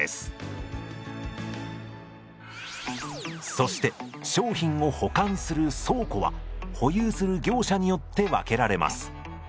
そして商品を保管する倉庫は保有する業者によって分けられます。